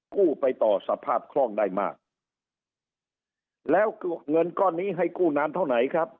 กู้ไปต่อสภาพคล่องได้มากแล้วเงินก้อนนี้ให้กู้นานเท่าไหนครับ